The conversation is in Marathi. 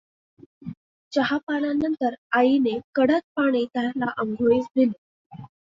चहापानानंतर आईने कढत पाणी त्याला आंघोळीस दिले.